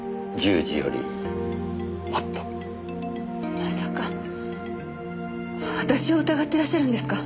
まさか私を疑ってらっしゃるんですか？